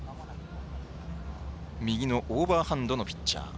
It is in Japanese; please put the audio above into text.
右のオーバーハンドのピッチャー。